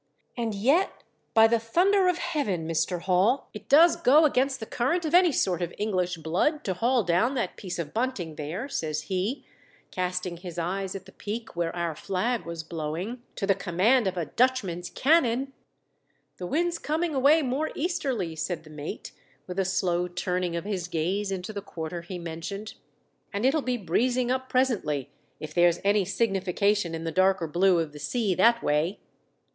And yet, by the thunder of Heaven, Mr. Hall, it does go against the current of any 22 THE DEATH SHIP. sort of English blood to haul down that piece of bunting there," says he, casting his eyes at the peak where our flag was blowing, "to the command of a Dutchman's cannon!" "The wind's coming away more easterly," said the mate, with a slow turning of his gaze into the quarter he mentioned, "and it'll be breezing up presently, if there's any significa tion in the darker blue of the sea that M^ay."